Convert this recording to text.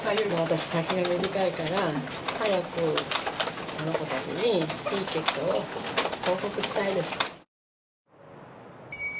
私、先が短いから、早くあの子たちに、いい結果を報告したいです。